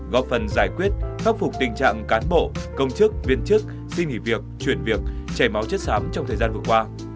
góp phần giải quyết khắc phục tình trạng cán bộ công chức viên chức xin nghỉ việc chuyển việc chảy máu chất xám trong thời gian vừa qua